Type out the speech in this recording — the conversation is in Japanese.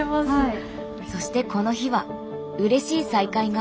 そしてこの日はうれしい再会が。